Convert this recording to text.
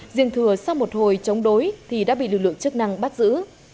riêng thừa sau một hồi chống đối thì đã bị lực lượng chức năng bắt giữ